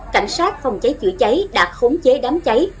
cảnh sát phòng cháy chữa cháy đã khống chế đám cháy